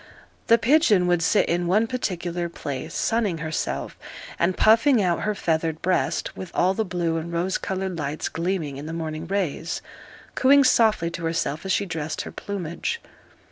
The pigeon would sit in one particular place, sunning herself, and puffing out her feathered breast, with all the blue and rose coloured lights gleaming in the morning rays, cooing softly to herself as she dressed her plumage.